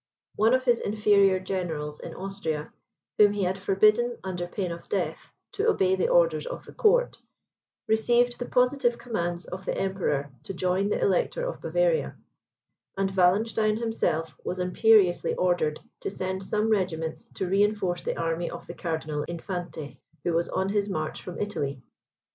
One of his inferior generals in Austria, whom he had forbidden, under pain of death, to obey the orders of the court, received the positive commands of the Emperor to join the Elector of Bavaria; and Wallenstein himself was imperiously ordered to send some regiments to reinforce the army of the Cardinal Infante, who was on his march from Italy.